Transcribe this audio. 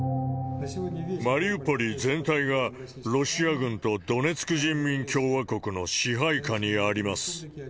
マリウポリ全体が、ロシア軍とドネツク人民共和国の支配下にあります。